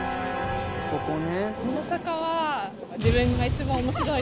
ここね。